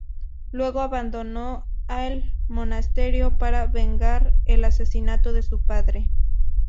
Luego abandonó el monasterio para vengar el asesinato de su padre.